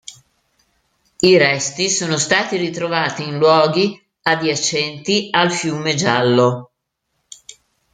I resti sono stati ritrovati in luoghi adiacenti al Fiume Giallo.